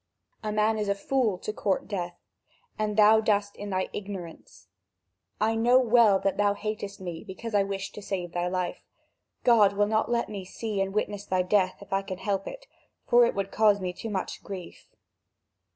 A man is a fool to court death, as thou dost in thy ignorance. I know well that thou hatest me because I wish to save thy life. God will not let me see and witness thy death, if I can help it, for it would cause me too much grief."